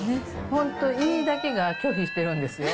本当、胃だけが拒否してるんですよ。